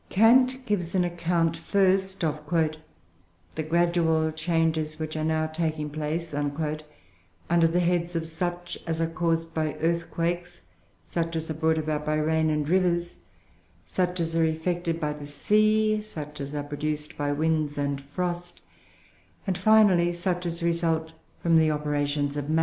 Kant gives an account first "of the gradual changes which are now taking place" under the heads of such as are caused by earthquakes, such as are brought about by rain and rivers, such as are effected by the sea, such as are produced by winds and frost; and, finally, such as result from the operations of man.